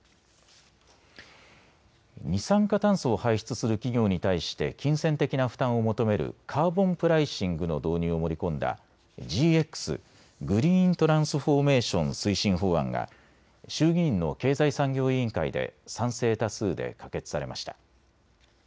二酸化炭素を排出する企業に対して金銭的な負担を求めるカーボンプライシングの導入を盛り込んだＧＸ・グリーントランスフォーメーション推進法案が衆議院の経済産業委員会で賛成多数で可決されました。